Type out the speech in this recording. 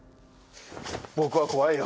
僕は怖いよ。